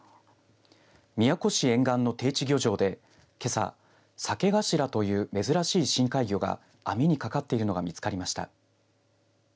宮古市沿岸の定置漁場でけさ、サケガシラという珍しい深海魚が網にかかっているのが見つかりました。